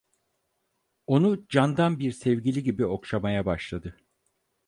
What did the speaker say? Onu candan bir sevgili gibi okşamaya başladı.